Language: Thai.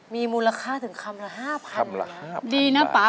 มีมูลคาถึงคำละ๕๐๐๐แนะ